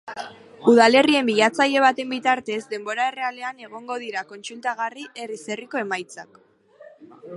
Udalerrien bilatzaile baten bitartez, denbora errealean egongo dira kontsultagarri herriz herriko emaitzak.